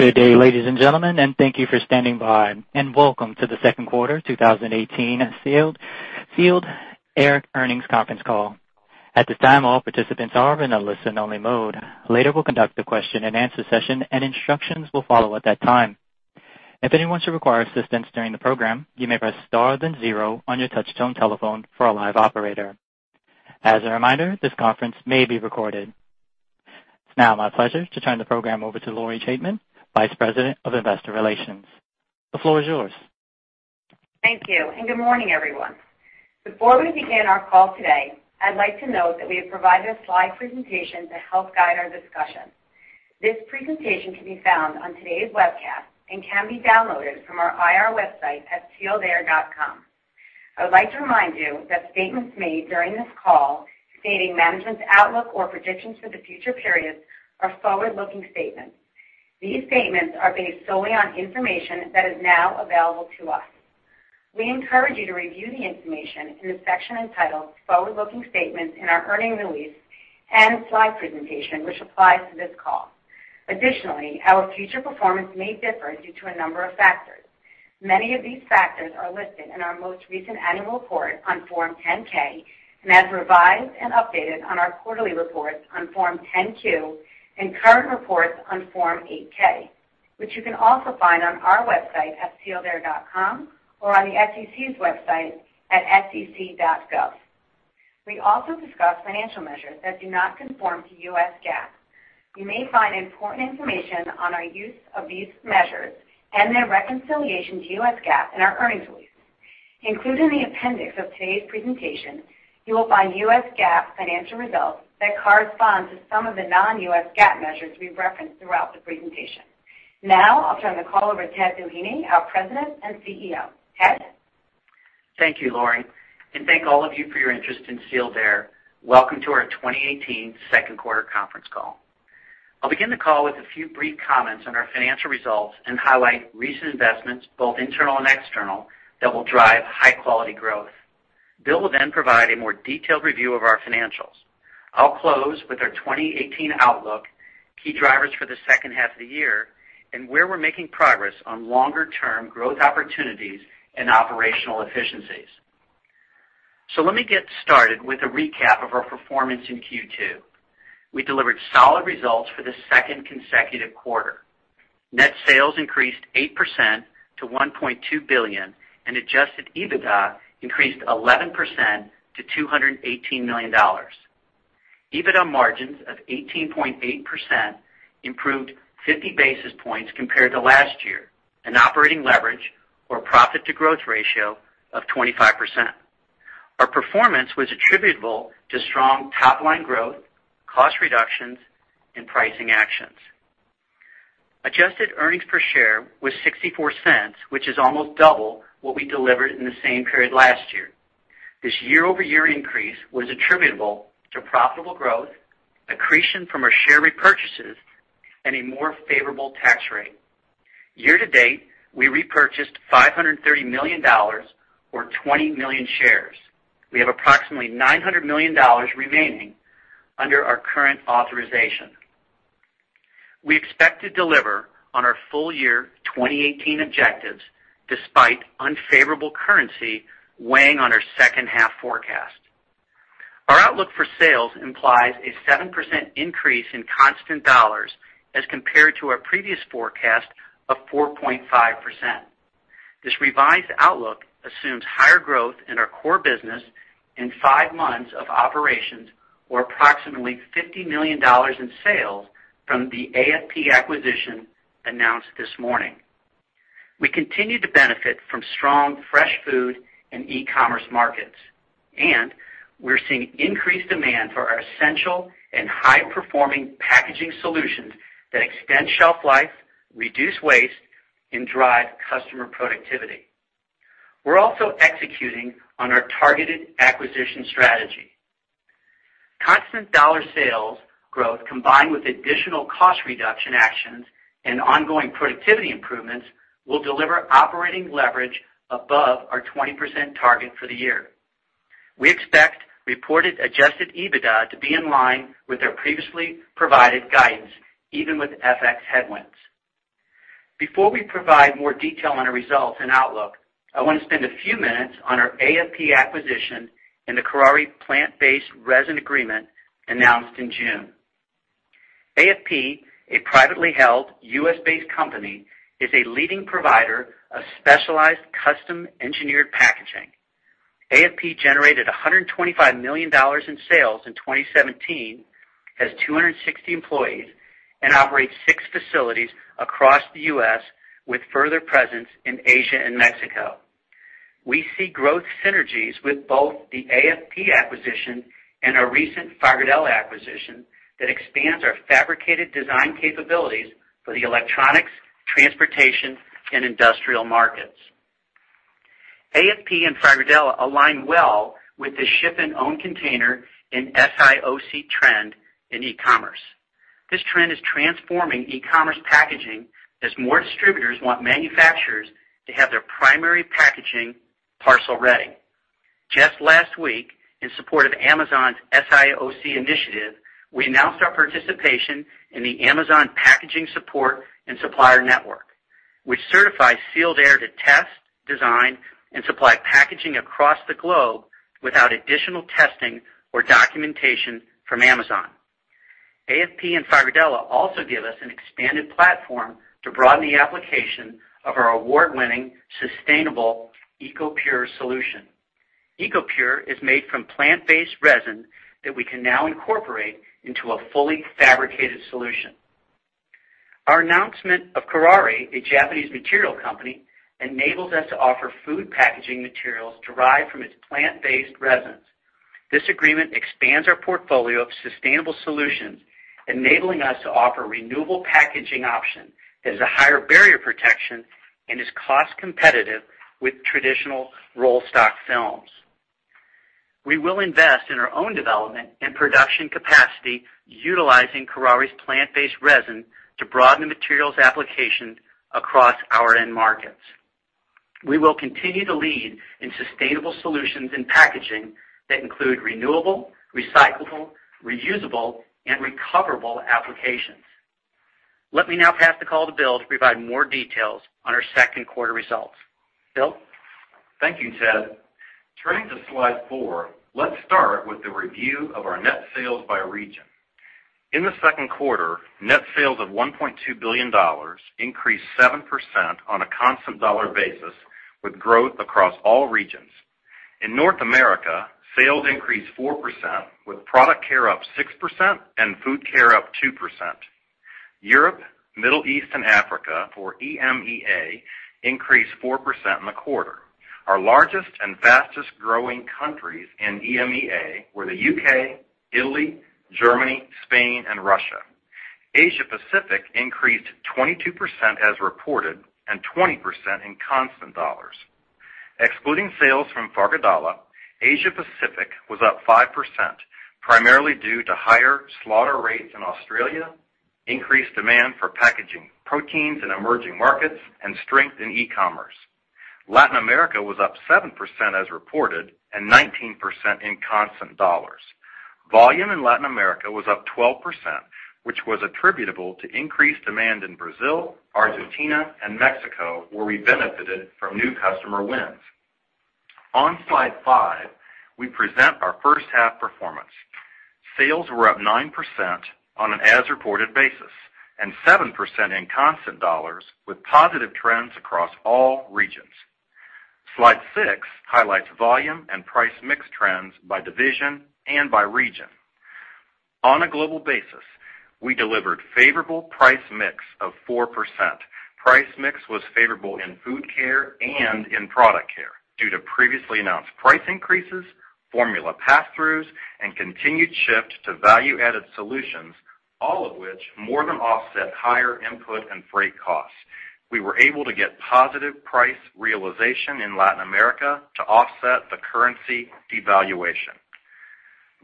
Good day, ladies and gentlemen, and thank you for standing by, and welcome to the second quarter 2018 Sealed Air Earnings Conference Call. At this time, all participants are in a listen-only mode. Later, we'll conduct a question-and-answer session, and instructions will follow at that time. If anyone should require assistance during the program, you may press star then zero on your touch-tone telephone for a live operator. As a reminder, this conference may be recorded. It's now my pleasure to turn the program over to Lori Chaitman, Vice President of Investor Relations. The floor is yours. Thank you, and good morning, everyone. Before we begin our call today, I'd like to note that we have provided a slide presentation to help guide our discussion. This presentation can be found on today's webcast and can be downloaded from our IR website at sealedair.com. I would like to remind you that statements made during this call stating management's outlook or predictions for the future periods are forward-looking statements. These statements are based solely on information that is now available to us. We encourage you to review the information in the section entitled Forward-Looking Statements in our earning release and slide presentation, which applies to this call. Our future performance may differ due to a number of factors. Many of these factors are listed in our most recent annual report on Form 10-K and as revised and updated on our quarterly reports on Form 10-Q and current reports on Form 8-K, which you can also find on our website at sealedair.com or on the SEC's website at sec.gov. We also discuss financial measures that do not conform to U.S. GAAP. You may find important information on our use of these measures and their reconciliation to U.S. GAAP in our earnings release. Included in the appendix of today's presentation, you will find U.S. GAAP financial results that correspond to some of the non-U.S. GAAP measures we reference throughout the presentation. I'll turn the call over to Ted Doheny, our President and CEO. Ted? Thank you, Lori. Thank all of you for your interest in Sealed Air. Welcome to our 2018 second quarter conference call. I'll begin the call with a few brief comments on our financial results and highlight recent investments, both internal and external, that will drive high-quality growth. Bill will provide a more detailed review of our financials. I'll close with our 2018 outlook, key drivers for the second half of the year, and where we're making progress on longer-term growth opportunities and operational efficiencies. Let me get started with a recap of our performance in Q2. We delivered solid results for the second consecutive quarter. Net sales increased 8% to $1.2 billion and adjusted EBITDA increased 11% to $218 million. EBITDA margins of 18.8% improved 50 basis points compared to last year, and operating leverage or profit-to-growth ratio of 25%. Our performance was attributable to strong top-line growth, cost reductions, and pricing actions. Adjusted earnings per share was $0.64, which is almost double what we delivered in the same period last year. This year-over-year increase was attributable to profitable growth, accretion from our share repurchases, and a more favorable tax rate. Year-to-date, we repurchased $530 million or 20 million shares. We have approximately $900 million remaining under our current authorization. We expect to deliver on our full year 2018 objectives despite unfavorable currency weighing on our second half forecast. Our outlook for sales implies a 7% increase in constant dollars as compared to our previous forecast of 4.5%. This revised outlook assumes higher growth in our core business in five months of operations or approximately $50 million in sales from the AFP acquisition announced this morning. We continue to benefit from strong fresh food and e-commerce markets, and we're seeing increased demand for our essential and high-performing packaging solutions that extend shelf life, reduce waste, and drive customer productivity. Constant dollar sales growth combined with additional cost reduction actions and ongoing productivity improvements will deliver operating leverage above our 20% target for the year. We expect reported adjusted EBITDA to be in line with our previously provided guidance, even with FX headwinds. Before we provide more detail on our results and outlook, I want to spend a few minutes on our AFP acquisition and the Kuraray plant-based resin agreement announced in June. AFP, a privately held U.S.-based company, is a leading provider of specialized custom-engineered packaging. AFP generated $125 million in sales in 2017, has 260 employees, and operates six facilities across the U.S. with further presence in Asia and Mexico. We see growth synergies with both the AFP acquisition and our recent Fagerdala acquisition that expands our fabricated design capabilities for the electronics, transportation, and industrial markets. AFP and Fagerdala align well with the Ships in Own Container and SIOC trend in e-commerce. This trend is transforming e-commerce packaging as more distributors want manufacturers to have their primary packaging parcel-ready. Just last week, in support of Amazon's SIOC initiative, we announced our participation in the Amazon Packaging Support and Supplier Network, which certifies Sealed Air to test, design, and supply packaging across the globe without additional testing or documentation from Amazon. AFP and Fagerdala also give us an expanded platform to broaden the application of our award-winning sustainable EcoPure solution. EcoPure is made from plant-based resin that we can now incorporate into a fully fabricated solution. Our announcement of Kuraray, a Japanese material company, enables us to offer food packaging materials derived from its plant-based resins. This agreement expands our portfolio of sustainable solutions, enabling us to offer renewable packaging option that has a higher barrier protection and is cost competitive with traditional rollstock films. We will invest in our own development and production capacity utilizing Kuraray's plant-based resin to broaden the materials application across our end markets. We will continue to lead in sustainable solutions in packaging that include renewable, recyclable, reusable, and recoverable applications. Let me now pass the call to Bill to provide more details on our second quarter results. Bill? Thank you, Ted. Turning to slide four, let's start with the review of our net sales by region. In the second quarter, net sales of $1.2 billion increased 7% on a constant dollar basis, with growth across all regions. In North America, sales increased 4%, with Product Care up 6% and Food Care up 2%. Europe, Middle East, and Africa or EMEA increased 4% in the quarter. Our largest and fastest-growing countries in EMEA were the U.K., Italy, Germany, Spain, and Russia. Asia-Pacific increased 22% as reported and 20% in constant dollars. Excluding sales from Fagerdala, Asia-Pacific was up 5%, primarily due to higher slaughter rates in Australia, increased demand for packaging proteins in emerging markets, and strength in e-commerce. Latin America was up 7% as reported, and 19% in constant dollars. Volume in Latin America was up 12%, which was attributable to increased demand in Brazil, Argentina, and Mexico, where we benefited from new customer wins. On slide five, we present our first-half performance. Sales were up 9% on an as-reported basis and 7% in constant dollars, with positive trends across all regions. Slide six highlights volume and price mix trends by division and by region. On a global basis, we delivered favorable price mix of 4%. Price mix was favorable in Food Care and in Product Care due to previously announced price increases, formula pass-throughs, and continued shift to value-added solutions, all of which more than offset higher input and freight costs. We were able to get positive price realization in Latin America to offset the currency devaluation.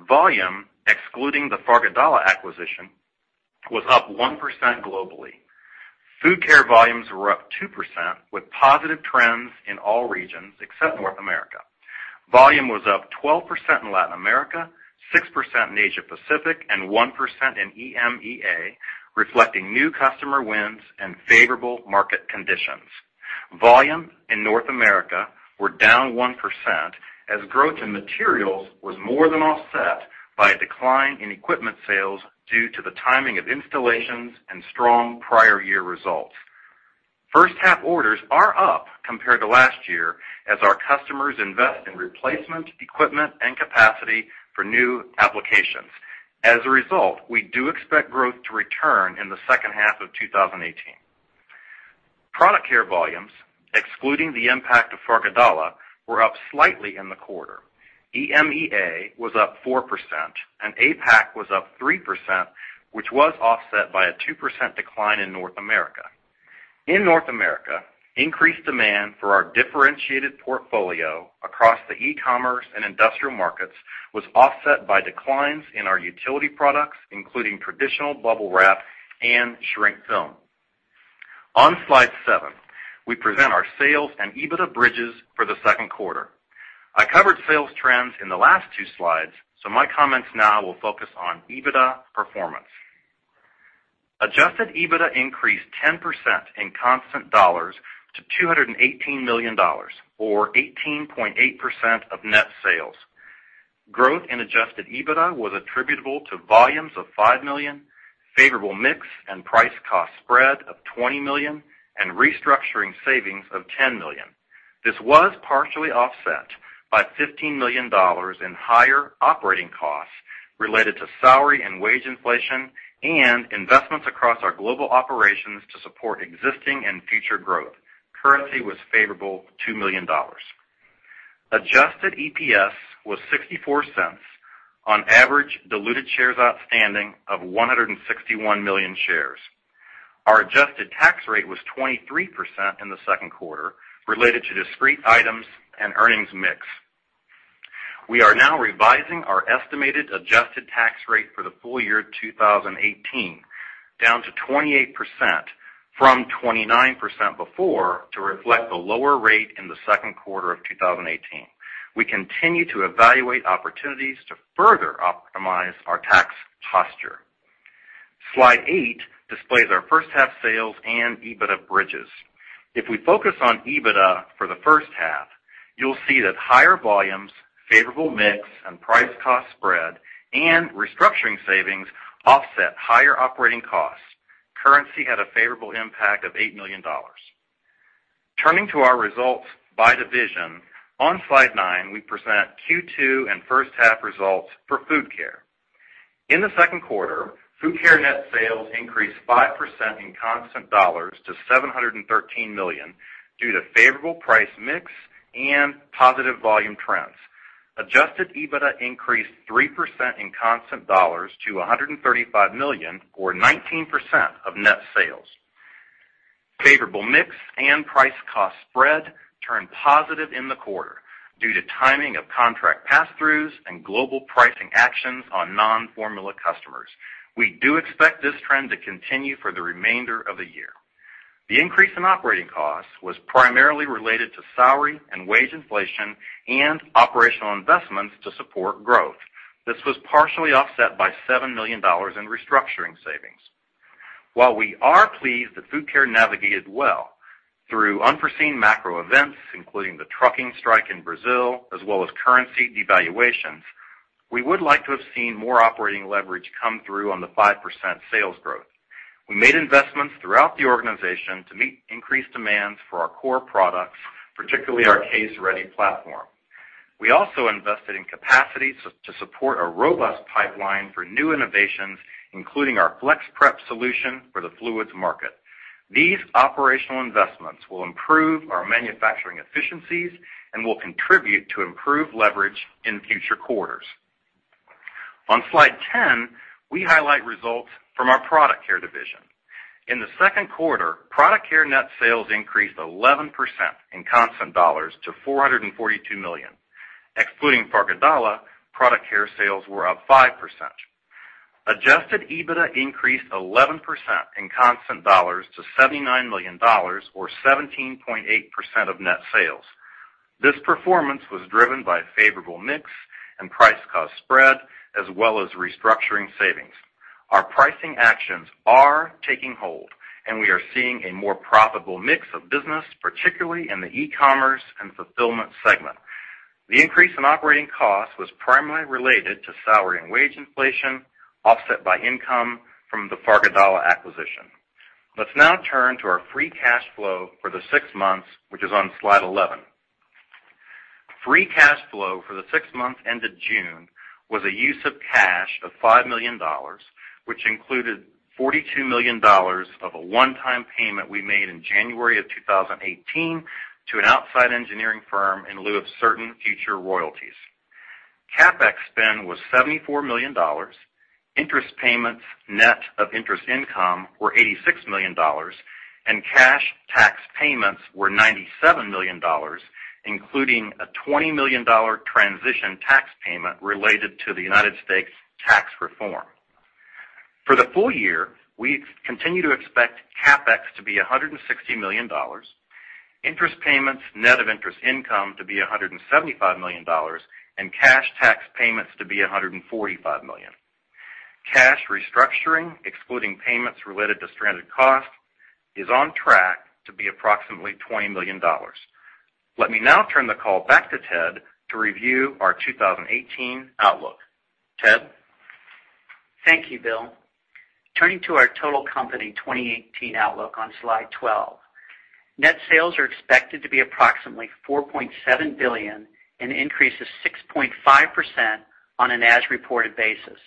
Volume, excluding the Fagerdala acquisition, was up 1% globally. Food Care volumes were up 2%, with positive trends in all regions except North America. Volume was up 12% in Latin America, 6% in Asia-Pacific, and 1% in EMEA, reflecting new customer wins and favorable market conditions. Volumes in North America were down 1%, as growth in materials was more than offset by a decline in equipment sales due to the timing of installations and strong prior year results. First half orders are up compared to last year as our customers invest in replacement equipment and capacity for new applications. As a result, we do expect growth to return in the second half of 2018. Product Care volumes, excluding the impact of Fagerdala, were up slightly in the quarter. EMEA was up 4% and APAC was up 3%, which was offset by a 2% decline in North America. In North America, increased demand for our differentiated portfolio across the e-commerce and industrial markets was offset by declines in our utility products, including traditional BUBBLE WRAP and shrink film. On slide seven, we present our sales and EBITDA bridges for the second quarter. I covered sales trends in the last two slides, so my comments now will focus on EBITDA performance. Adjusted EBITDA increased 10% in constant dollars to $218 million, or 18.8% of net sales. Growth in adjusted EBITDA was attributable to volumes of $5 million, favorable mix and price-cost spread of $20 million, and restructuring savings of $10 million. This was partially offset by $15 million in higher operating costs related to salary and wage inflation and investments across our global operations to support existing and future growth. Currency was favorable $2 million. Adjusted EPS was $0.64 on average diluted shares outstanding of 161 million shares. Our adjusted tax rate was 23% in the second quarter related to discrete items and earnings mix. We are now revising our estimated adjusted tax rate for the full year 2018 down to 28% from 29% before to reflect the lower rate in the second quarter of 2018. We continue to evaluate opportunities to further optimize our tax posture. Slide eight displays our first half sales and EBITDA bridges. If we focus on EBITDA for the first half, you'll see that higher volumes, favorable mix and price cost spread and restructuring savings offset higher operating costs. Currency had a favorable impact of $8 million. Turning to our results by division. On slide nine, we present Q2 and first half results for Food Care. In the second quarter, Food Care net sales increased 5% in constant dollars to $713 million, due to favorable price mix and positive volume trends. Adjusted EBITDA increased 3% in constant dollars to $135 million or 19% of net sales. Favorable mix and price cost spread turned positive in the quarter due to timing of contract pass-throughs and global pricing actions on non-formula customers. We do expect this trend to continue for the remainder of the year. The increase in operating costs was primarily related to salary and wage inflation and operational investments to support growth. This was partially offset by $7 million in restructuring savings. While we are pleased that Food Care navigated well through unforeseen macro events, including the trucking strike in Brazil as well as currency devaluations, we would like to have seen more operating leverage come through on the 5% sales growth. We made investments throughout the organization to meet increased demands for our core products, particularly our CaseReady platform. We also invested in capacity to support a robust pipeline for new innovations, including our FlexPrep solution for the fluids market. These operational investments will improve our manufacturing efficiencies and will contribute to improved leverage in future quarters. On Slide 10, we highlight results from our Product Care division. In the second quarter, Product Care net sales increased 11% in constant dollars to $442 million. Excluding Fagerdala, Product Care sales were up 5%. Adjusted EBITDA increased 11% in constant dollars to $79 million, or 17.8% of net sales. This performance was driven by favorable mix and price cost spread, as well as restructuring savings. Our pricing actions are taking hold, we are seeing a more profitable mix of business, particularly in the e-commerce and fulfillment segment. The increase in operating costs was primarily related to salary and wage inflation, offset by income from the Fagerdala acquisition. Let's now turn to our free cash flow for the six months, which is on Slide 11. Free cash flow for the six months ended June was a use of cash of $5 million, which included $42 million of a one-time payment we made in January of 2018 to an outside engineering firm in lieu of certain future royalties. CapEx spend was $74 million. Interest payments net of interest income were $86 million, cash tax payments were $97 million, including a $20 million transition tax payment related to the U.S. tax reform. For the full year, we continue to expect CapEx to be $160 million, interest payments net of interest income to be $175 million and cash tax payments to be $145 million. Cash restructuring, excluding payments related to stranded costs, is on track to be approximately $20 million. Let me now turn the call back to Ted to review our 2018 outlook. Ted? Thank you, Bill. Turning to our total company 2018 outlook on Slide 12. Net sales are expected to be approximately $4.7 billion, an increase of 6.5% on an as-reported basis.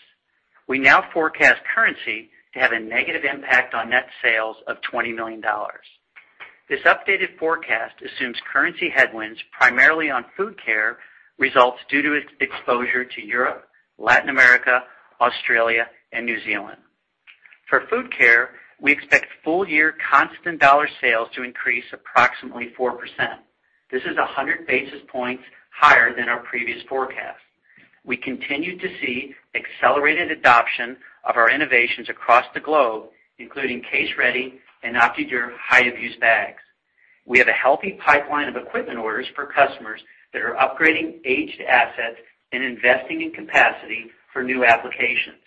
We now forecast currency to have a negative impact on net sales of $20 million. This updated forecast assumes currency headwinds primarily on Food Care results due to its exposure to Europe, Latin America, Australia and New Zealand. For Food Care, we expect full year constant dollar sales to increase approximately 4%. This is 100 basis points higher than our previous forecast. We continue to see accelerated adoption of our innovations across the globe, including CaseReady and Opti-Dur high abuse bags. We have a healthy pipeline of equipment orders for customers that are upgrading aged assets and investing in capacity for new applications.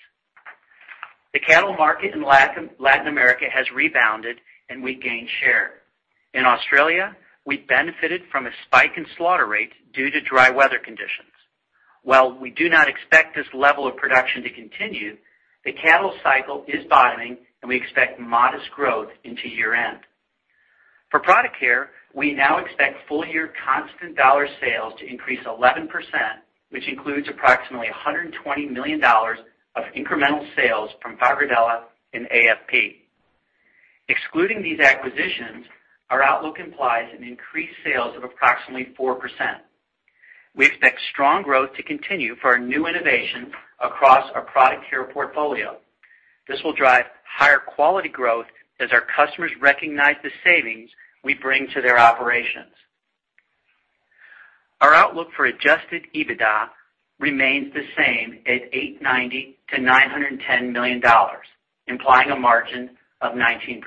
The cattle market in Latin America has rebounded, and we gained share. In Australia, we benefited from a spike in slaughter rate due to dry weather conditions. While we do not expect this level of production to continue, the cattle cycle is bottoming, and we expect modest growth into year-end. For Product Care, we now expect full year constant dollar sales to increase 11%, which includes approximately $120 million of incremental sales from Fagerdala and AFP. Excluding these acquisitions, our outlook implies an increased sales of approximately 4%. We expect strong growth to continue for our new innovations across our Product Care portfolio. This will drive higher quality growth as our customers recognize the savings we bring to their operations. Our outlook for adjusted EBITDA remains the same at $890 million-$910 million, implying a margin of 19%.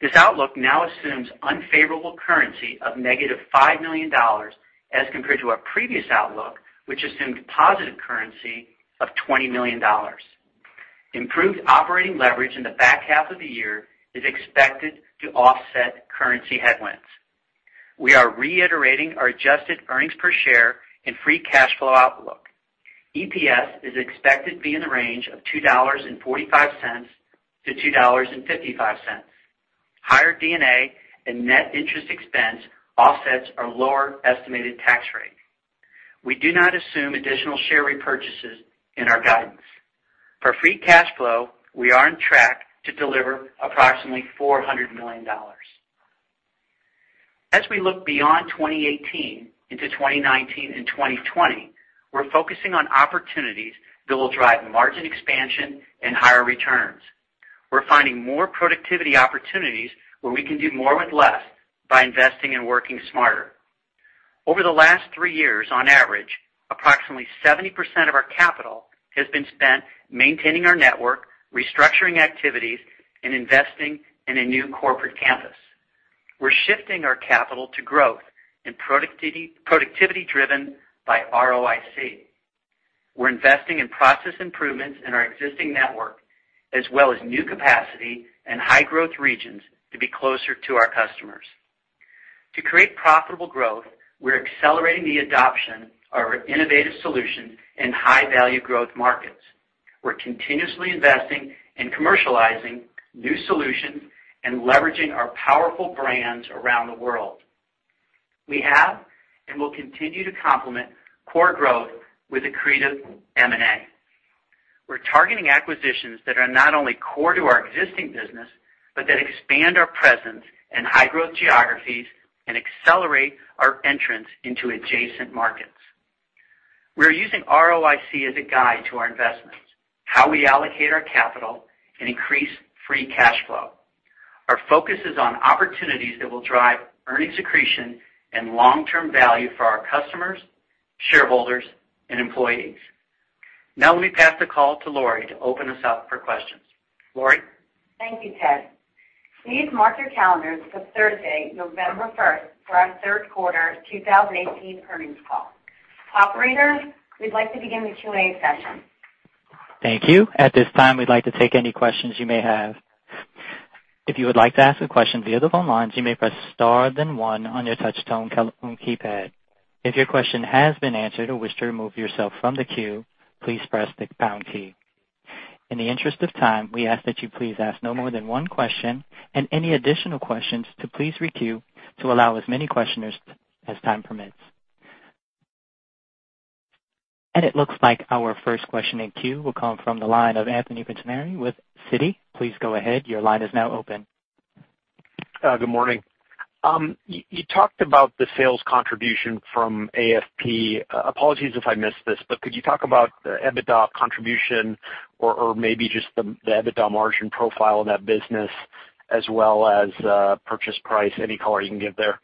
This outlook now assumes unfavorable currency of negative $5 million as compared to our previous outlook, which assumed positive currency of $20 million. Improved operating leverage in the back half of the year is expected to offset currency headwinds. We are reiterating our adjusted earnings per share and free cash flow outlook. EPS is expected to be in the range of $2.45-$2.55. Higher D&A and net interest expense offsets our lower estimated tax rate. We do not assume additional share repurchases in our guidance. For free cash flow, we are on track to deliver approximately $400 million. As we look beyond 2018 into 2019 and 2020, we're focusing on opportunities that will drive margin expansion and higher returns. We're finding more productivity opportunities where we can do more with less by investing and working smarter. Over the last three years, on average, approximately 70% of our capital has been spent maintaining our network, restructuring activities, and investing in a new corporate campus. We're shifting our capital to growth in productivity driven by ROIC. We're investing in process improvements in our existing network, as well as new capacity and high-growth regions to be closer to our customers. To create profitable growth, we're accelerating the adoption of our innovative solutions in high-value growth markets. We're continuously investing in commercializing new solutions and leveraging our powerful brands around the world. We have and will continue to complement core growth with accretive M&A. We're targeting acquisitions that are not only core to our existing business, but that expand our presence in high-growth geographies and accelerate our entrance into adjacent markets. We are using ROIC as a guide to our investments, how we allocate our capital, and increase free cash flow. Our focus is on opportunities that will drive earnings accretion and long-term value for our customers, shareholders, and employees. Let me pass the call to Lori to open us up for questions. Lori? Thank you, Ted. Please mark your calendars for Thursday, November 1st for our third quarter 2018 earnings call. Operator, we'd like to begin the Q&A session. Thank you. At this time, we'd like to take any questions you may have. If you would like to ask a question via the phone lines, you may press star then one on your touch-tone telephone keypad. If your question has been answered or wish to remove yourself from the queue, please press the pound key. In the interest of time, we ask that you please ask no more than one question, and any additional questions to please re-queue to allow as many questioners as time permits. It looks like our first question in queue will come from the line of Anthony Pettinari with Citi. Please go ahead. Your line is now open. Good morning. You talked about the sales contribution from AFP. Apologies if I missed this, but could you talk about the EBITDA contribution or maybe just the EBITDA margin profile in that business as well as purchase price? Any color you can give there.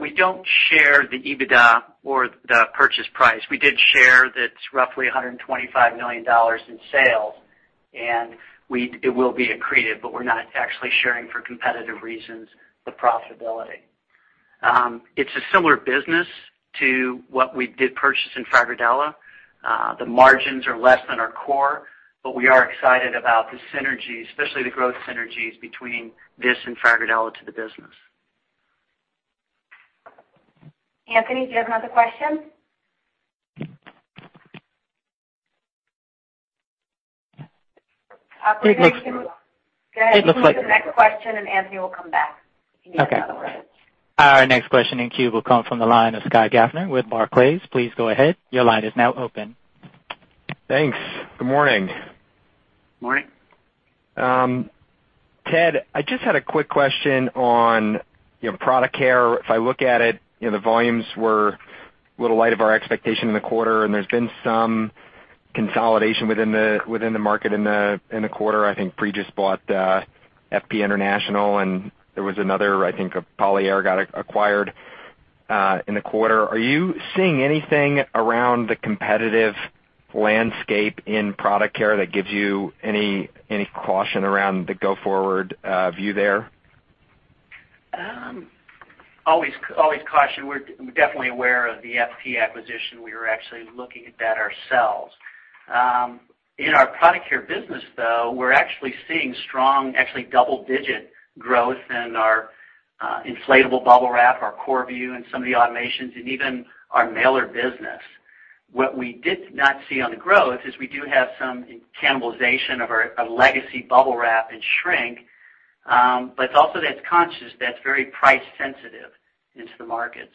We don't share the EBITDA or the purchase price. We did share that it's roughly $125 million in sales, and it will be accretive. We're not actually sharing, for competitive reasons, the profitability. It's a similar business to what we did purchase in Fagerdala. The margins are less than our core. We are excited about the synergies, especially the growth synergies between this and Fagerdala to the business. Anthony, do you have another question? It looks like- Go ahead and take the next question. Anthony will come back. Okay. Our next question in queue will come from the line of Scott Gaffner with Barclays. Please go ahead. Your line is now open. Thanks. Good morning. Morning. Ted, I just had a quick question on Product Care. If I look at it, the volumes were a little light of our expectation in the quarter. There's been some consolidation within the market in the quarter. I think Pregis just bought FP International. There was another, I think Polyair got acquired in the quarter. Are you seeing anything around the competitive landscape in Product Care that gives you any caution around the go-forward view there? Always caution. We're definitely aware of the FP acquisition. We were actually looking at that ourselves. In our Product Care business, though, we're actually seeing strong, actually double-digit growth in our inflatable BUBBLE WRAP, our Korrvu, and some of the automations, and even our mailer business. What we did not see on the growth is we do have some cannibalization of our legacy BUBBLE WRAP and shrink. Also that's conscious, that's very price sensitive into the market.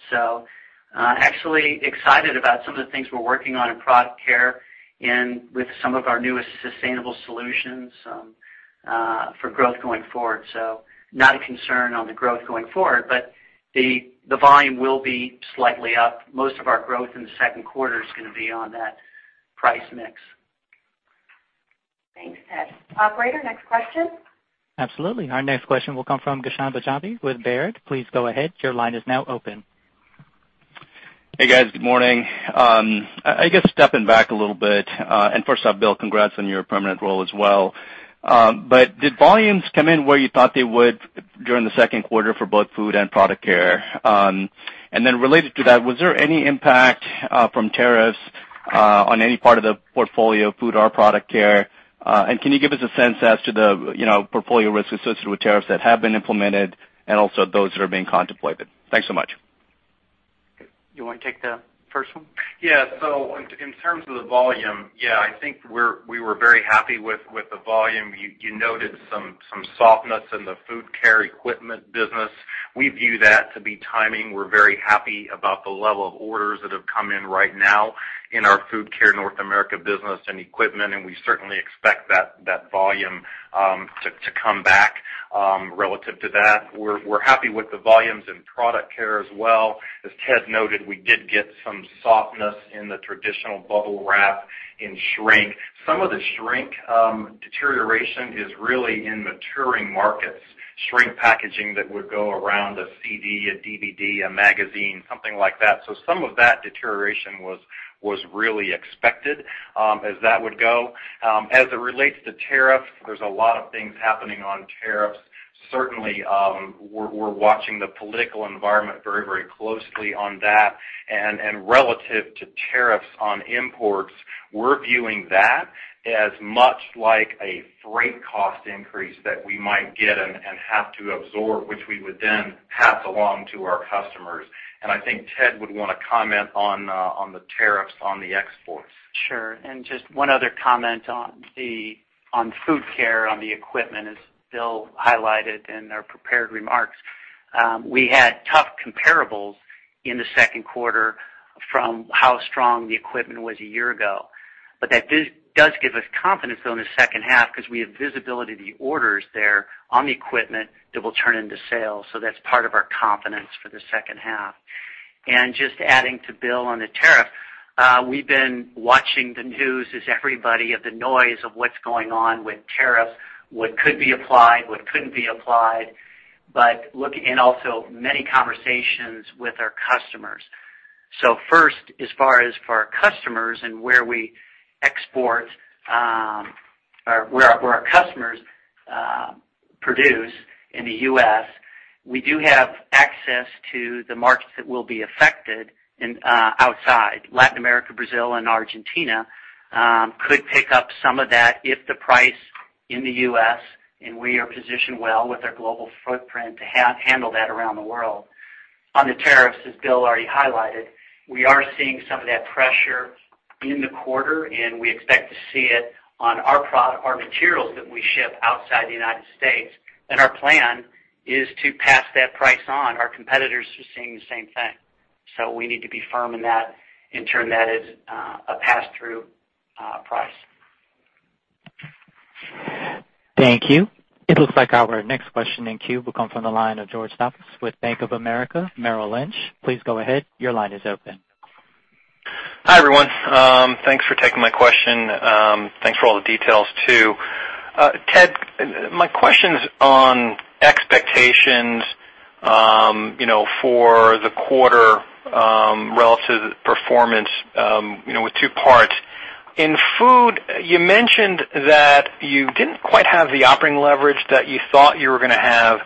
Actually excited about some of the things we're working on in Product Care and with some of our newest sustainable solutions for growth going forward. Not a concern on the growth going forward, but the volume will be slightly up. Most of our growth in the second quarter is going to be on that price mix. Thanks, Ted. Operator, next question. Absolutely. Our next question will come from Ghansham Panjabi with Baird. Please go ahead. Your line is now open. Hey, guys. Good morning. I guess stepping back a little bit, and first off, Bill, congrats on your permanent role as well. Did volumes come in where you thought they would during the second quarter for both Food Care and Product Care? Related to that, was there any impact from tariffs on any part of the portfolio, Food Care or Product Care? Can you give us a sense as to the portfolio risk associated with tariffs that have been implemented and also those that are being contemplated? Thanks so much. You want to take the first one? Yeah. In terms of the volume, yeah, I think we were very happy with the volume. You noted some softness in the Food Care equipment business. We view that to be timing. We're very happy about the level of orders that have come in right now in our Food Care North America business and equipment, and we certainly expect that volume to come back. Relative to that, we're happy with the volumes in Product Care as well. As Ted noted, we did get some softness in the traditional BUBBLE WRAP in shrink. Some of the shrink deterioration is really in maturing markets, shrink packaging that would go around a CD, a DVD, a magazine, something like that. Some of that deterioration was really expected as that would go. As it relates to tariffs, there's a lot of things happening on tariffs. Certainly, we're watching the political environment very closely on that. Relative to tariffs on imports, we're viewing that as much like a freight cost increase that we might get and have to absorb, which we would then pass along to our customers. I think Ted would want to comment on the tariffs on the exports. Sure. Just one other comment on Food Care, on the equipment, as Bill highlighted in our prepared remarks. We had tough comparables in the second quarter from how strong the equipment was a year ago. That does give us confidence, though, in the second half because we have visibility to the orders there on the equipment that will turn into sales. That's part of our confidence for the second half. Just adding to Bill on the tariff, we've been watching the news as everybody of the noise of what's going on with tariffs, what could be applied, what couldn't be applied, and also many conversations with our customers. First, as far as for our customers and where our customers produce in the U.S., we do have access to the markets that will be affected outside. Latin America, Brazil, and Argentina could pick up some of that if the price in the U.S. We are positioned well with our global footprint to handle that around the world. On the tariffs, as Bill already highlighted, we are seeing some of that pressure in the quarter. We expect to see it on our materials that we ship outside the U.S. Our plan is to pass that price on. Our competitors are seeing the same thing. We need to be firm in that and turn that as a pass-through price. Thank you. It looks like our next question in queue will come from the line of George Staphos with Bank of America Merrill Lynch. Please go ahead. Your line is open. Hi, everyone. Thanks for taking my question. Thanks for all the details, too. Ted, my question's on expectations for the quarter relative performance with two parts. In Food Care, you mentioned that you didn't quite have the operating leverage that you thought you were going to have.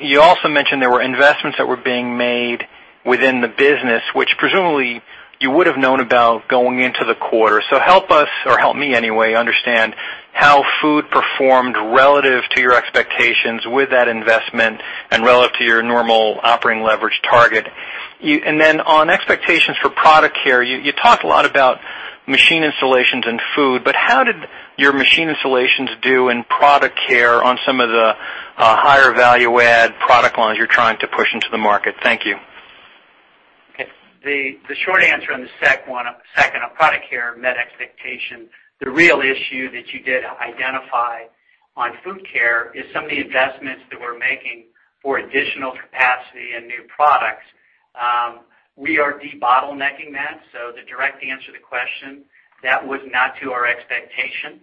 You also mentioned there were investments that were being made within the business, which presumably you would have known about going into the quarter. Help us, or help me anyway, understand how Food Care performed relative to your expectations with that investment and relative to your normal operating leverage target. On expectations for Product Care, you talked a lot about machine installations in Food Care. How did your machine installations do in Product Care on some of the higher value-add product lines you're trying to push into the market? Thank you. Okay. The short answer on the second one, second on Product Care, met expectation. The real issue that you did identify on Food Care is some of the investments that we're making for additional capacity and new products. We are de-bottlenecking that. The direct answer to the question, that was not to our expectation.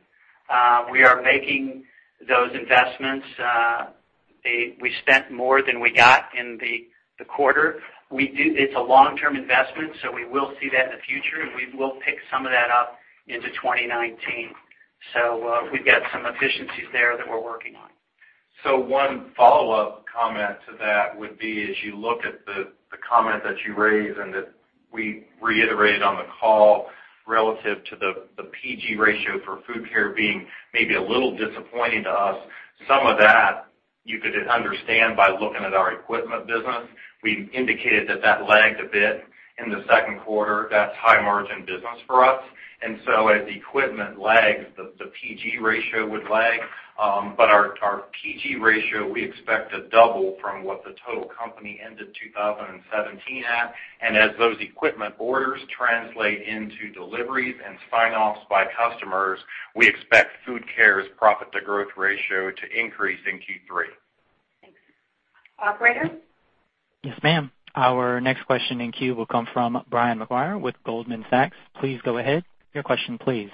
We are making those investments. We spent more than we got in the quarter. It's a long-term investment. We will see that in the future. We will pick some of that up into 2019. We've got some efficiencies there that we're working on. One follow-up comment to that would be, as you look at the comment that you raised and that we reiterated on the call relative to the PEG ratio for Food Care being maybe a little disappointing to us. Some of that you could understand by looking at our equipment business. We indicated that that lagged a bit in the second quarter. That's high-margin business for us. As equipment lags, the PEG ratio would lag. Our PEG ratio we expect to double from what the total company ended 2017 at. As those equipment orders translate into deliveries and spin-offs by customers, we expect Food Care's profit-to-growth ratio to increase in Q3. Operator? Yes, ma'am. Our next question in queue will come from Brian Maguire with Goldman Sachs. Please go ahead. Your question, please.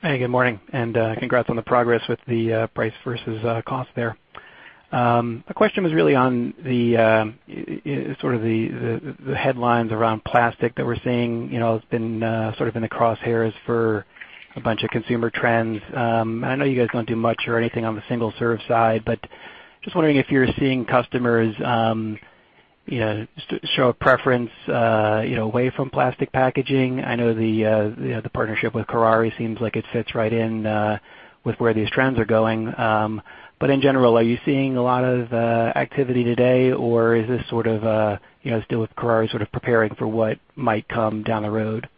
Hey, good morning, congrats on the progress with the price versus cost there. My question was really on the headlines around plastic that we're seeing. It's been in the crosshairs for a bunch of consumer trends. I know you guys don't do much or anything on the single-serve side, but just wondering if you're seeing customers show a preference away from plastic packaging. I know the partnership with Kuraray seems like it fits right in with where these trends are going. In general, are you seeing a lot of activity today, or is this still with Kuraray preparing for what might come down the road?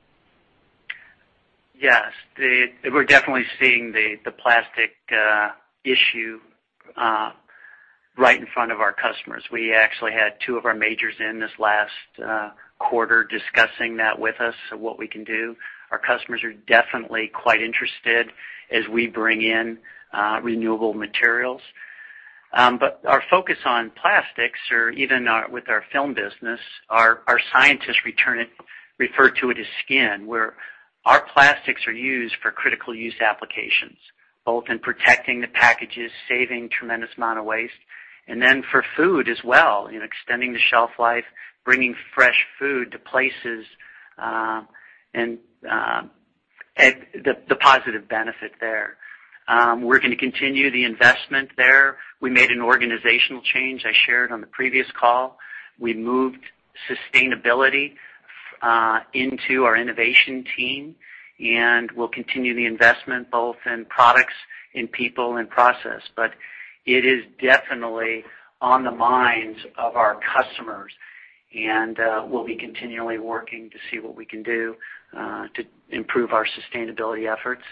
Yes. We're definitely seeing the plastic issue right in front of our customers. We actually had two of our majors in this last quarter discussing that with us of what we can do. Our customers are definitely quite interested as we bring in renewable materials. Our focus on plastics, or even with our film business, our scientists refer to it as skin, where our plastics are used for critical use applications, both in protecting the packages, saving tremendous amount of waste, then for food as well, extending the shelf life, bringing fresh food to places, the positive benefit there. We're going to continue the investment there. We made an organizational change I shared on the previous call. We moved sustainability into our innovation team, we'll continue the investment both in products, in people, and process. It is definitely on the minds of our customers, and we'll be continually working to see what we can do to improve our sustainability efforts.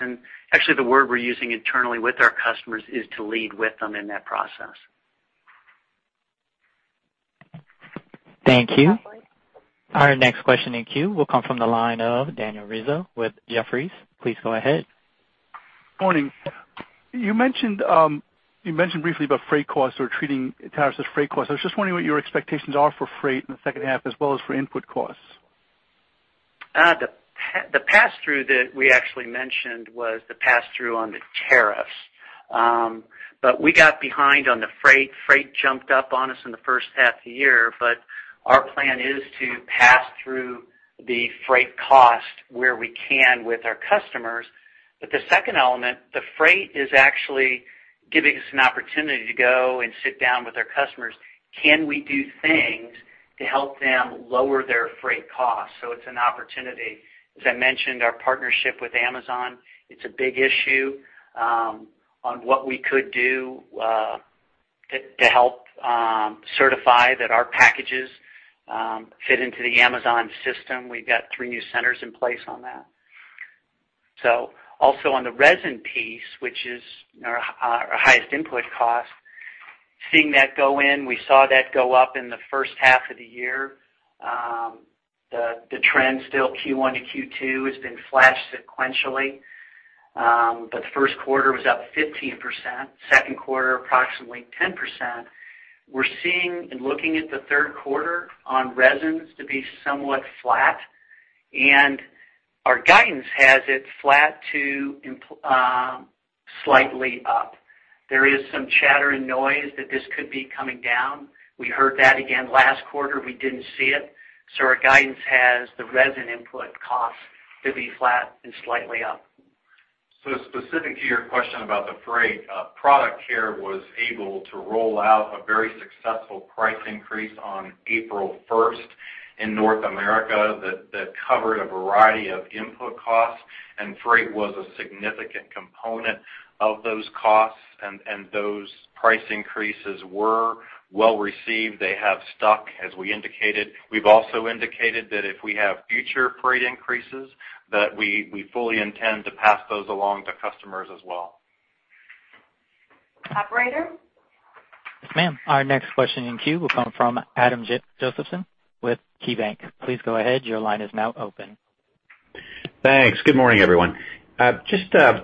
Actually, the word we're using internally with our customers is to lead with them in that process. Thank you. Our next question in queue will come from the line of Daniel Rizzo with Jefferies. Please go ahead. Morning. You mentioned briefly about freight costs or treating tariffs as freight costs. I was just wondering what your expectations are for freight in the second half as well as for input costs. The pass-through that we actually mentioned was the pass-through on the tariffs. We got behind on the freight. Freight jumped up on us in the first half of the year, but our plan is to pass through the freight cost where we can with our customers. It's an opportunity. As I mentioned, our partnership with Amazon, it's a big issue on what we could do to help certify that our packages fit into the Amazon system. We've got three new centers in place on that. Also on the resin piece, which is our highest input cost, seeing that go in, we saw that go up in the first half of the year. The trend still Q1 to Q2 has been flat sequentially. The first quarter was up 15%, second quarter approximately 10%. We're seeing and looking at the third quarter on resins to be somewhat flat, and our guidance has it flat to slightly up. There is some chatter and noise that this could be coming down. We heard that again last quarter. We didn't see it. Our guidance has the resin input cost to be flat and slightly up. Specific to your question about the freight, Product Care was able to roll out a very successful price increase on April 1st in North America that covered a variety of input costs, and freight was a significant component of those costs, and those price increases were well-received. They have stuck, as we indicated. We've also indicated that if we have future freight increases, that we fully intend to pass those along to customers as well. Operator? Yes, ma'am. Our next question in queue will come from Adam Josephson with KeyBanc. Please go ahead. Your line is now open. Thanks. Good morning, everyone. Just a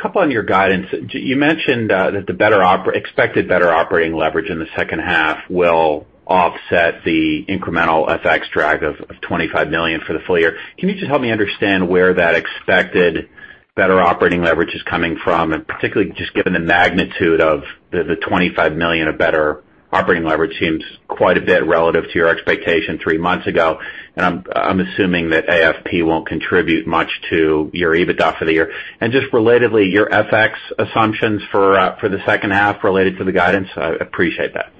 couple on your guidance. You mentioned that the expected better operating leverage in the second half will offset the incremental FX drag of $25 million for the full year. Can you just help me understand where that expected better operating leverage is coming from, and particularly just given the magnitude of the $25 million of better operating leverage seems quite a bit relative to your expectation three months ago. I'm assuming that AFP won't contribute much to your EBITDA for the year. Just relatedly, your FX assumptions for the second half related to the guidance, I appreciate that.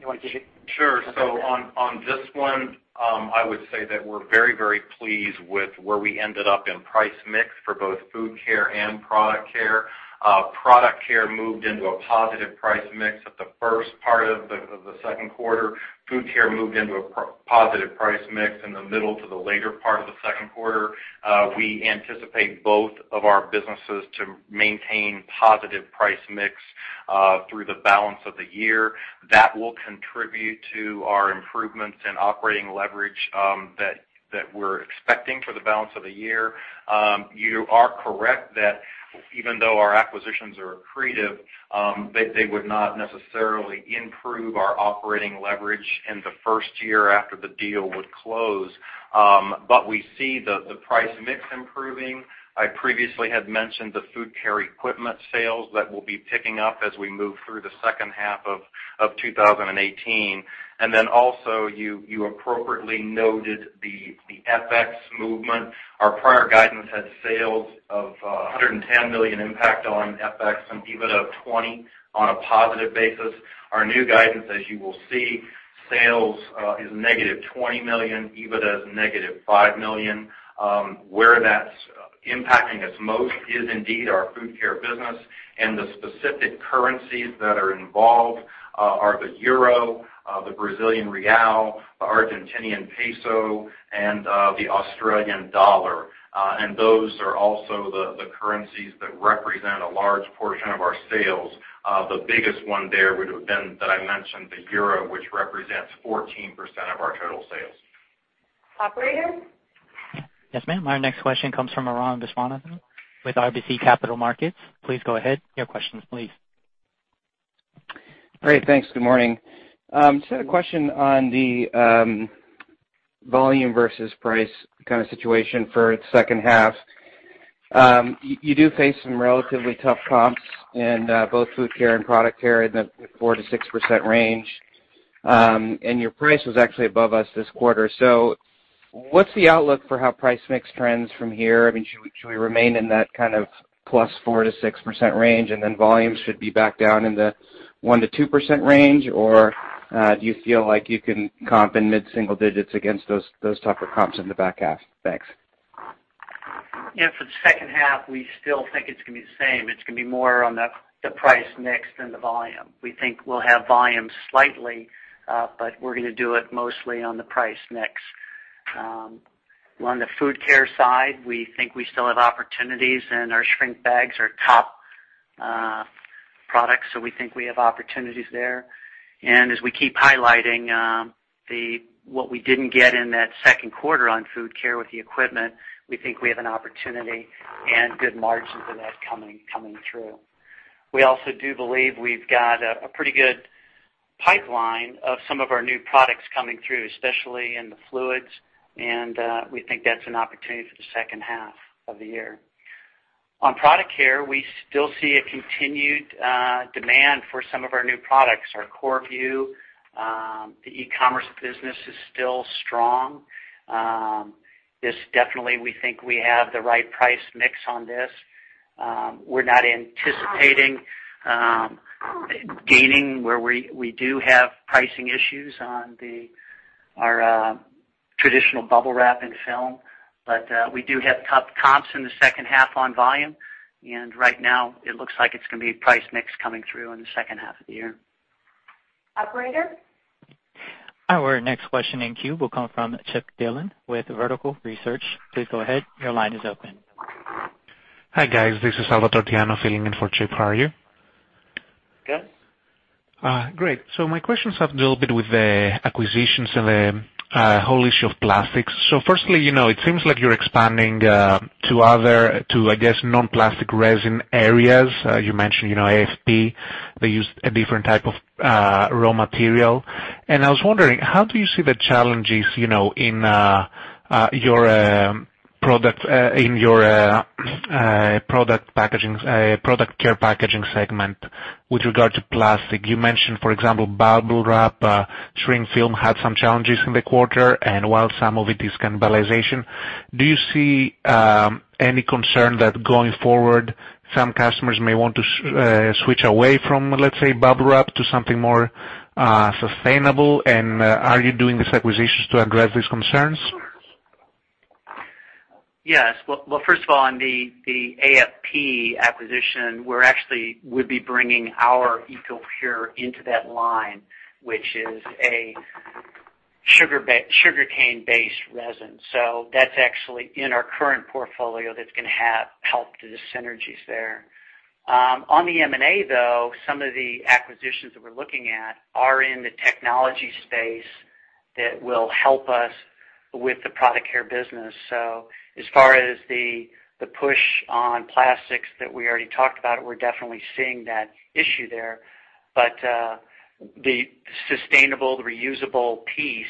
You want to take it? Sure. On this one, I would say that we're very, very pleased with where we ended up in price mix for both Food Care and Product Care. Product Care moved into a positive price mix at the first part of the second quarter. Food Care moved into a positive price mix in the middle to the later part of the second quarter. We anticipate both of our businesses to maintain positive price mix through the balance of the year. That will contribute to our improvements in operating leverage that we're expecting for the balance of the year. You are correct that even though our acquisitions are accretive, they would not necessarily improve our operating leverage in the first year after the deal would close. We see the price mix improving. I previously had mentioned the Food Care equipment sales that will be picking up as we move through the second half of 2018. Also, you appropriately noted the FX movement. Our prior guidance had sales of $110 million impact on FX and EBITDA of $20 on a positive basis. Our new guidance, as you will see, sales is negative $20 million, EBITDA is negative $5 million. Where that's impacting us most is indeed our Food Care business, and the specific currencies that are involved are the euro, the Brazilian real, the Argentinian peso, and the Australian dollar. Those are also the currencies that represent a large portion of our sales. The biggest one there would've been, that I mentioned, the euro, which represents 14% of our total sales. Operator? Yes, ma'am. Our next question comes from Arun Viswanathan with RBC Capital Markets. Please go ahead. Your questions, please. Great. Thanks. Good morning. Just had a question on the volume versus price kind of situation for the second half. You do face some relatively tough comps in both Food Care and Product Care in the 4%-6% range. Your price was actually above us this quarter. What's the outlook for how price mix trends from here? Should we remain in that kind of plus 4%-6% range, then volumes should be back down in the 1%-2% range, or do you feel like you can comp in mid-single digits against those tougher comps in the back half? Thanks. Yeah. For the second half, we still think it's going to be the same. It's going to be more on the price mix than the volume. We think we'll have volume slightly, but we're going to do it mostly on the price mix. On the Food Care side, we think we still have opportunities, and our Shrink Bags are top products, so we think we have opportunities there. As we keep highlighting what we didn't get in that second quarter on Food Care with the equipment, we think we have an opportunity and good margins in that coming through. We also do believe we've got a pretty good pipeline of some of our new products coming through, especially in the fluids, and we think that's an opportunity for the second half of the year. On Product Care, we still see a continued demand for some of our new products. Our Korrvu, the e-commerce business is still strong. This definitely we think we have the right price mix on this. We're not anticipating gaining where we do have pricing issues on our traditional BUBBLE WRAP and film. We do have tough comps in the second half on volume, and right now it looks like it's going to be price mix coming through in the second half of the year. Operator? Our next question in queue will come from Chip Dillon with Vertical Research. Please go ahead. Your line is open. Hi, guys. This is Salvatore Tiano filling in for Chip. How are you? Good. Great. My questions have a little bit with the acquisitions and the whole issue of plastics. Firstly, it seems like you're expanding to, I guess, non-plastic resin areas. You mentioned AFP. They use a different type of raw material. I was wondering, how do you see the challenges in your Product Care packaging segment with regard to plastic? You mentioned, for example, BUBBLE WRAP, shrink film had some challenges in the quarter. While some of it is cannibalization, do you see any concern that going forward, some customers may want to switch away from, let's say, BUBBLE WRAP to something more sustainable? Are you doing these acquisitions to address these concerns? Yes. Well, first of all, on the AFP acquisition, we're actually would be bringing our EcoPure into that line, which is a sugarcane-based resin. That's actually in our current portfolio that's going to help the synergies there. On the M&A, though, some of the acquisitions that we're looking at are in the technology space that will help us with the Product Care business. As far as the push on plastics that we already talked about, we're definitely seeing that issue there. The sustainable, reusable piece,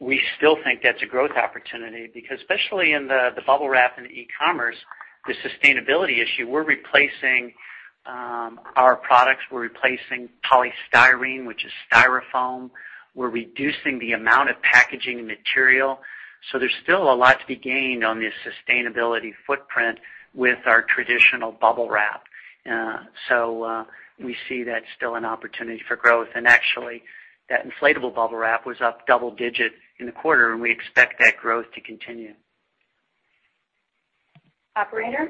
we still think that's a growth opportunity because especially in the BUBBLE WRAP and e-commerce, the sustainability issue, we're replacing our products. We're replacing polystyrene, which is styrofoam. We're reducing the amount of packaging material. There's still a lot to be gained on the sustainability footprint with our traditional BUBBLE WRAP. We see that's still an opportunity for growth. Actually, that inflatable BUBBLE WRAP was up double digit in the quarter, we expect that growth to continue. Operator?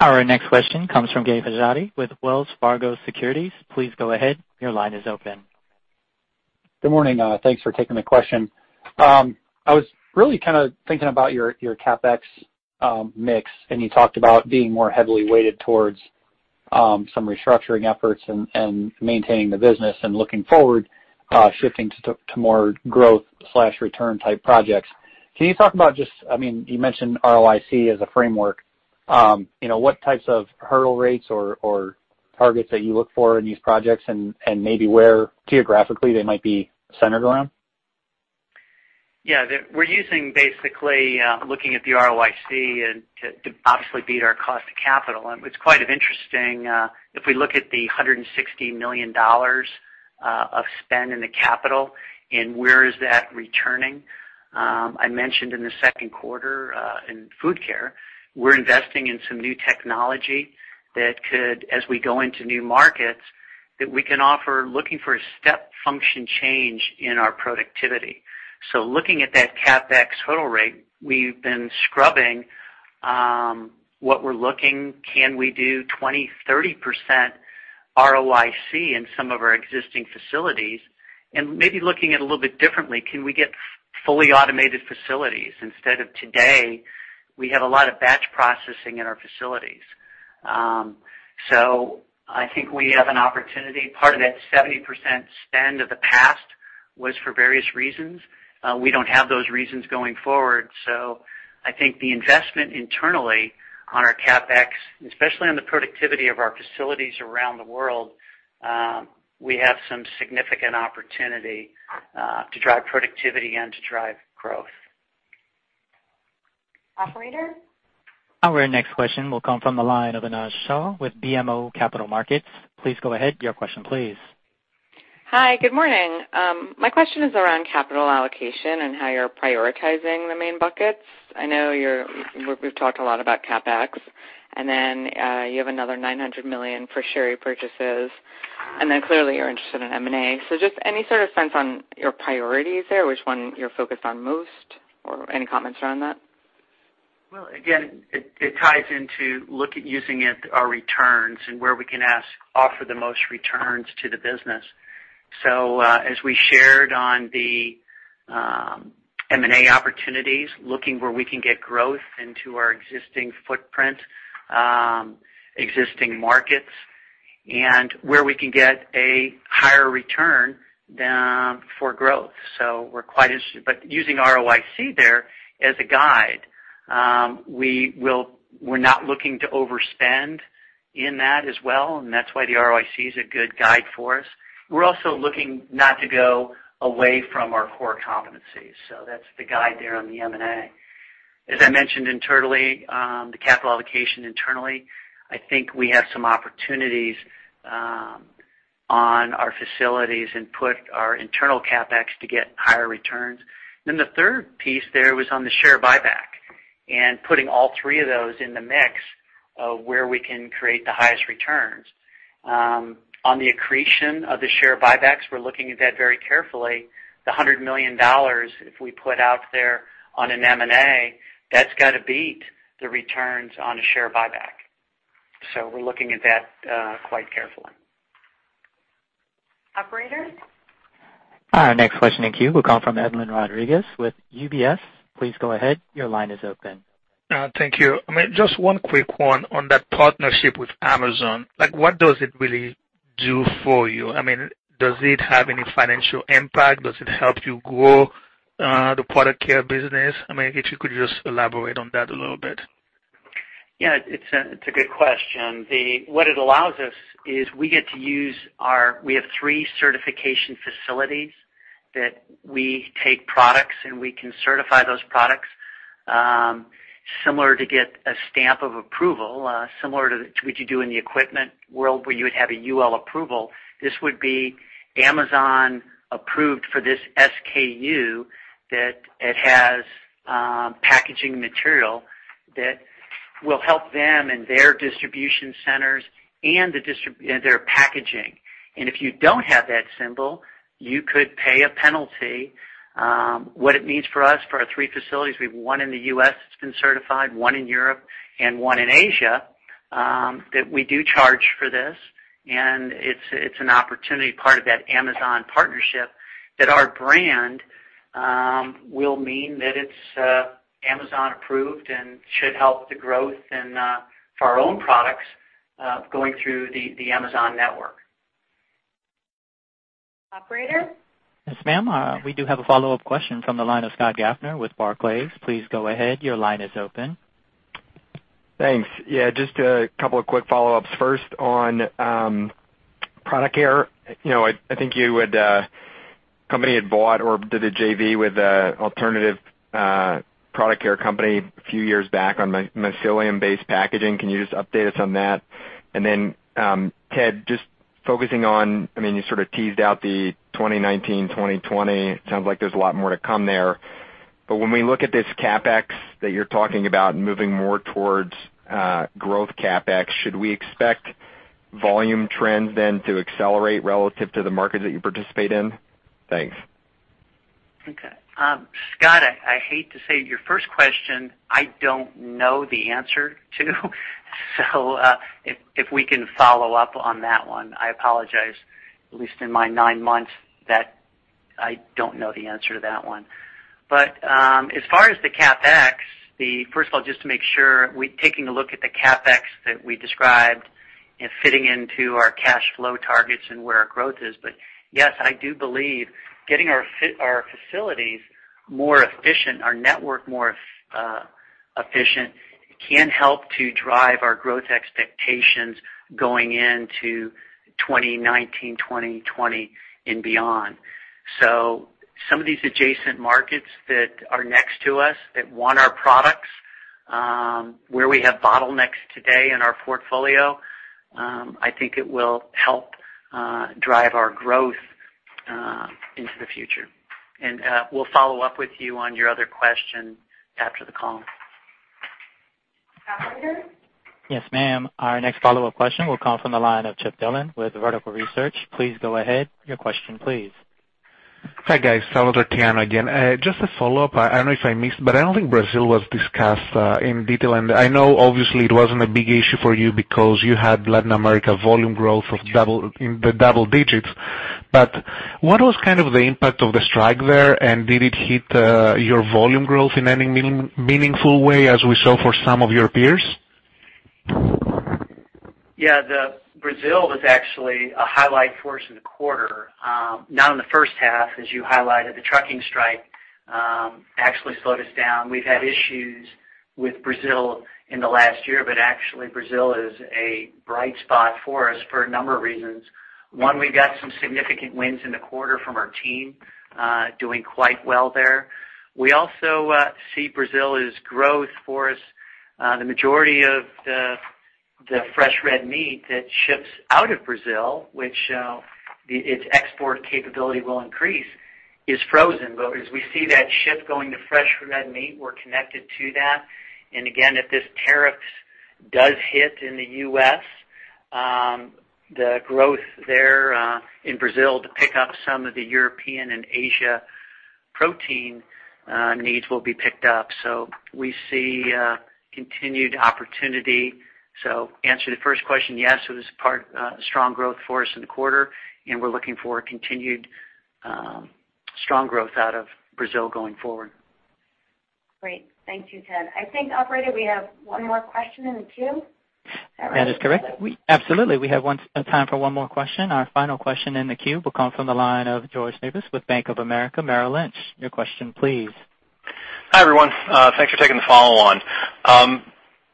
Our next question comes from Gabe Hajde with Wells Fargo Securities. Please go ahead. Your line is open. Good morning. Thanks for taking the question. I was really kind of thinking about your CapEx mix. You talked about being more heavily weighted towards some restructuring efforts and maintaining the business. Looking forward, shifting to more growth/return type projects. Can you talk about just, you mentioned ROIC as a framework. What types of hurdle rates or targets that you look for in these projects and maybe where geographically they might be centered around? Yeah. We're using basically, looking at the ROIC, to obviously beat our cost of capital. It's quite interesting, if we look at the $160 million of spend in the capital, where is that returning. I mentioned in the second quarter, in Food Care, we're investing in some new technology that could, as we go into new markets, that we can offer, looking for a step function change in our productivity. Looking at that CapEx hurdle rate, we've been scrubbing what we're looking. Can we do 20%, 30% ROIC in some of our existing facilities? Maybe looking at it a little bit differently, can we get fully automated facilities instead of today, we have a lot of batch processing in our facilities. I think we have an opportunity. Part of that 70% spend of the past was for various reasons. We don't have those reasons going forward. I think the investment internally on our CapEx, especially on the productivity of our facilities around the world, we have some significant opportunity to drive productivity and to drive growth. Operator? Our next question will come from the line of Anojja Shah with BMO Capital Markets. Please go ahead. Your question, please. Hi. Good morning. My question is around capital allocation and how you're prioritizing the main buckets. I know we've talked a lot about CapEx, you have another $900 million for share repurchases, clearly you're interested in M&A. Just any sort of sense on your priorities there, which one you're focused on most, or any comments around that? Well, again, it ties into look at using our returns and where we can offer the most returns to the business. As we shared on the M&A opportunities, looking where we can get growth into our existing footprint, existing markets, and where we can get a higher return for growth. Using ROIC there as a guide. We're not looking to overspend in that as well, and that's why the ROIC is a good guide for us. We're also looking not to go away from our core competencies, that's the guide there on the M&A. As I mentioned, the capital allocation internally, I think we have some opportunities on our facilities and put our internal CapEx to get higher returns. The third piece there was on the share buyback, putting all three of those in the mix of where we can create the highest returns. On the accretion of the share buybacks, we're looking at that very carefully. The $100 million, if we put out there on an M&A, that's got to beat the returns on a share buyback. We're looking at that quite carefully. Operator? Our next question in queue will come from Edlain Rodriguez with UBS. Please go ahead. Your line is open. Thank you. Just one quick one on that partnership with Amazon. What does it really do for you? Does it have any financial impact? Does it help you grow the Product Care business? If you could just elaborate on that a little bit. Yeah. It's a good question. What it allows us is we have three certification facilities that we take products, and we can certify those products, similar to get a stamp of approval, similar to what you do in the equipment world, where you would have a UL approval. This would be Amazon approved for this SKU, that it has packaging material that will help them in their distribution centers and their packaging. If you don't have that symbol, you could pay a penalty. What it means for us, for our three facilities, we have one in the U.S. that's been certified, one in Europe and one in Asia. We do charge for this, and it's an opportunity, part of that Amazon partnership, that our brand will mean that it's Amazon approved and should help the growth for our own products going through the Amazon network. Operator? Yes, ma'am. We do have a follow-up question from the line of Scott Gaffner with Barclays. Please go ahead. Your line is open. Thanks. Just a couple of quick follow-ups. First on Product Care. I think the company had bought or did a JV with an alternative Product Care company a few years back on mycelium-based packaging. Can you just update us on that? Ted, just focusing on, you sort of teased out the 2019, 2020. Sounds like there's a lot more to come there. When we look at this CapEx that you're talking about moving more towards growth CapEx, should we expect volume trends then to accelerate relative to the markets that you participate in? Thanks. Okay. Scott, I hate to say, your first question, I don't know the answer to. If we can follow up on that one. I apologize. At least in my nine months, that I don't know the answer to that one. As far as the CapEx, first of all, just to make sure, we're taking a look at the CapEx that we described and fitting into our cash flow targets and where our growth is. Yes, I do believe getting our facilities more efficient, our network more efficient, can help to drive our growth expectations going into 2019, 2020, and beyond. Some of these adjacent markets that are next to us that want our products, where we have bottlenecks today in our portfolio, I think it will help drive our growth into the future. We'll follow up with you on your other question after the call. Operator? Yes, ma'am. Our next follow-up question will come from the line of Chip Dillon with Vertical Research. Please go ahead. Your question, please. Hi, guys. Salvatore Tiano again. Just a follow-up. I don't know if I missed, I don't think Brazil was discussed in detail, and I know obviously it wasn't a big issue for you because you had Latin America volume growth in the double digits. What was kind of the impact of the strike there, and did it hit your volume growth in any meaningful way, as we saw for some of your peers? Yeah. Brazil was actually a highlight for us in the quarter. Not in the first half, as you highlighted. The trucking strike actually slowed us down. We've had issues with Brazil in the last year, but actually Brazil is a bright spot for us for a number of reasons. One, we got some significant wins in the quarter from our team, doing quite well there. We also see Brazil as growth for us. The majority of the fresh red meat that ships out of Brazil, which its export capability will increase, is frozen. As we see that shift going to fresh red meat, we're connected to that. Again, if this tariff does hit in the U.S., the growth there in Brazil to pick up some of the European and Asia protein needs will be picked up. We see continued opportunity. To answer the first question, yes, it was a strong growth for us in the quarter, and we're looking for a continued strong growth out of Brazil going forward. Great. Thank you, Ted. I think, operator, we have one more question in the queue. Is that right? That is correct. Absolutely. We have time for one more question. Our final question in the queue will come from the line of George Staphos with Bank of America Merrill Lynch. Your question, please. Hi, everyone. Thanks for taking the follow-on.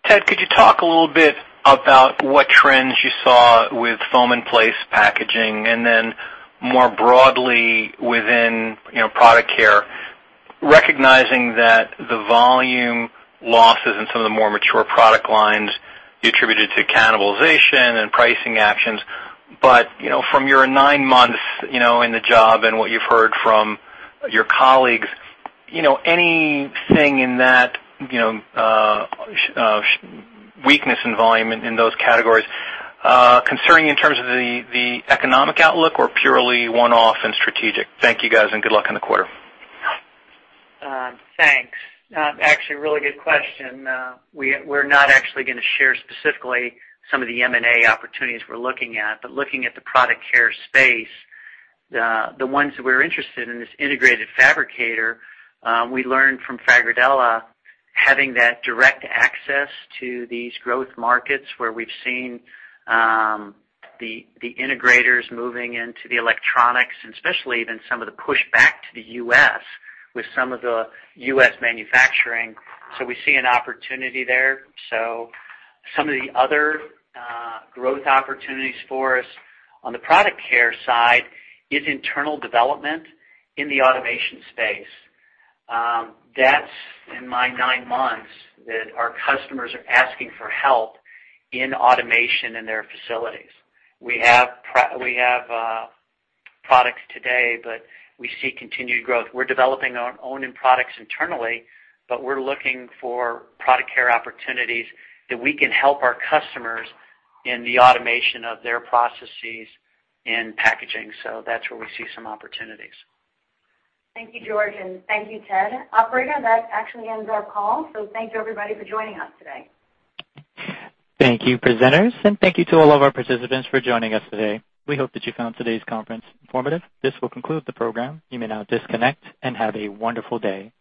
Ted, could you talk a little bit about what trends you saw with foam in place packaging, and then more broadly within Product Care, recognizing that the volume losses in some of the more mature product lines you attributed to cannibalization and pricing actions. From your nine months in the job and what you've heard from your colleagues, anything in that weakness in volume in those categories concerning in terms of the economic outlook or purely one-off and strategic? Thank you, guys, and good luck on the quarter. Thanks. Actually, really good question. We're not actually going to share specifically some of the M&A opportunities we're looking at. Looking at the Product Care space, the ones that we're interested in is integrated fabricator. We learned from Fagerdala, having that direct access to these growth markets where we've seen the integrators moving into the electronics, and especially even some of the pushback to the U.S. with some of the U.S. manufacturing. We see an opportunity there. Some of the other growth opportunities for us on the Product Care side is internal development in the automation space. That's in my nine months that our customers are asking for help in automation in their facilities. We have products today, we see continued growth. We're developing our own products internally, we're looking for Product Care opportunities that we can help our customers in the automation of their processes and packaging. That's where we see some opportunities. Thank you, George, and thank you, Ted. Operator, that actually ends our call, so thank you, everybody, for joining us today. Thank you, presenters, and thank you to all of our participants for joining us today. We hope that you found today's conference informative. This will conclude the program. You may now disconnect, and have a wonderful day.